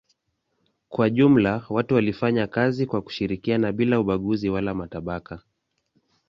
Kwa jumla watu walifanya kazi kwa kushirikiana bila ubaguzi wala matabaka.